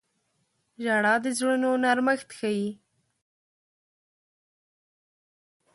• ژړا د زړونو نرمښت ښيي.